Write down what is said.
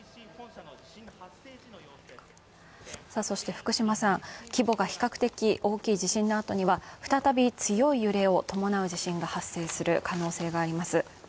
そして福島さん、規模が比較的大きい地震のあとには再び強い揺れを伴う地震が発生する可能性があります。